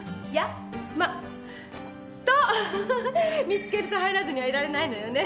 見つけると入らずにはいられないのよね。